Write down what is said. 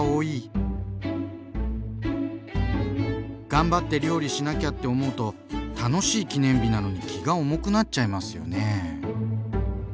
頑張って料理しなきゃって思うと楽しい記念日なのに気が重くなっちゃいますよね。